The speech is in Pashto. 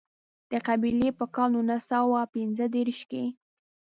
دې قبیلې په کال نولس سوه پېنځه دېرش کې.